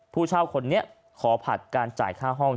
ผู้เช่าคนนี้ขอผัดการจ่ายค่าห้อง